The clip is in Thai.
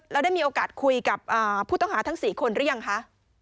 แล้วได้มีโอกาสคุยกับผู้ต้องหาทั้ง๔คนหรือยังคะ